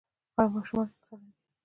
ایا ماشومان اجازه لري؟